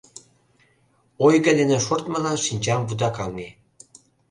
Ойго дене шортмылан шинчам вудакаҥе.